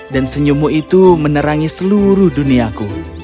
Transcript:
dan senyummu itu menerangi seluruh duniaku